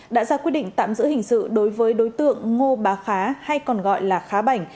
đã ra quyết định tạm giữ hình sự đối với đối tượng ngô bá khá hay còn gọi là khá bảnh